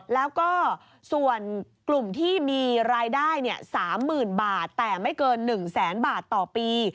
แล้วก็ส่วนกลุ่มที่มีรายได้๓๐๐๐บาทแต่ไม่เกิน๑แสนบาทต่อปี